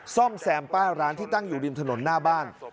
ซ่อมแซมป้ายร้านที่ตั้งอยู่ริมถนนหน้าบ้าน